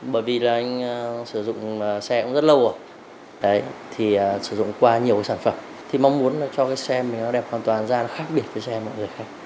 bởi vì anh sử dụng xe cũng rất lâu rồi sử dụng qua nhiều sản phẩm mong muốn cho xe mình đẹp hoàn toàn da khác biệt với xe mọi người khác